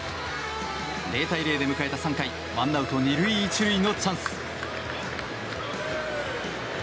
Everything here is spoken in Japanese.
０対０で迎えた３回１アウト２塁１塁のチャンス。